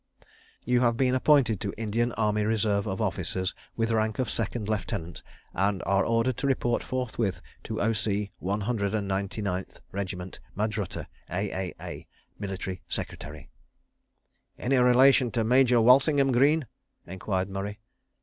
_ You have been appointed to Indian Army Reserve of Officers with rank of Second Lieutenant, and are ordered to report forthwith to O.C. One Hundred and Ninety Ninth Regiment, Madrutta. A.A.A. Military Secretary. "Any relation to Major Walsingham Greene?" enquired Murray.